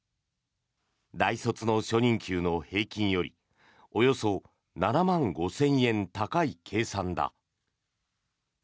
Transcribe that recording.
大卒の初任給の平均よりおよそ７万５０００円高い計算だ。